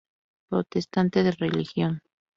Protestante de religión.